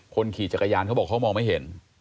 คนขี่จักรยานเขาบอกเขามองไม่เห็น